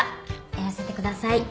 やらせてください。